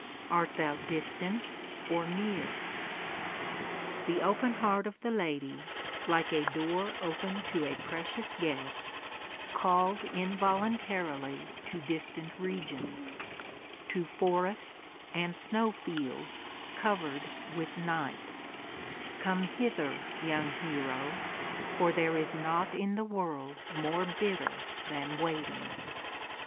Art thou distant or near?" The open heart of the lady, like a door open to a precious guest, called involuntarily to distant regions, to forests and snow fields covered with night: "Come hither, young hero; for there is naught in the world more bitter than waiting."